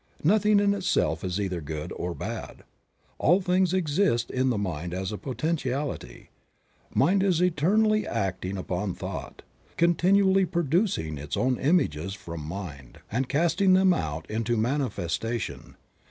Nothing in itself is either good or bad; all things exist in mind as a potentiality; mind is eternally acting upon thought, continually producing its own images from mind, and casting them out into manifestation.